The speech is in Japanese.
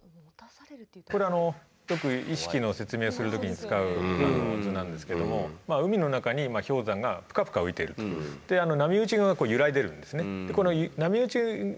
これはあのよく意識の説明をするときに使う図なんですけど海の中に氷山がぷかぷか浮いているとで、波打ち際が揺らいでいるんですね。